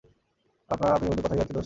আর আপনা-আপনির মধ্যে কথা, ইহাতে আর দোষ কী?